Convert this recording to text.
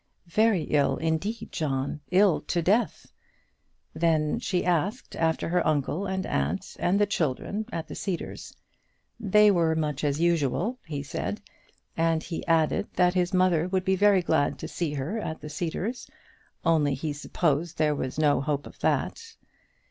"Very ill, indeed, John, ill to death." She then asked after her uncle and aunt, and the children, at the Cedars. They were much as usual, he said; and he added that his mother would be very glad to see her at the Cedars; only he supposed there was no hope of that.